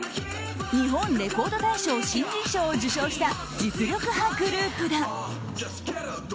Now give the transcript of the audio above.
日本レコード大賞新人賞を受賞した実力派グループだ。